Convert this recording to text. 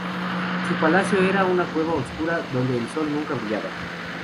Su palacio era una cueva oscura donde el sol nunca brillaba.